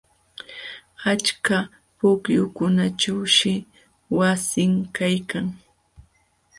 Achka pukyukunaćhuushi wasin kaykan.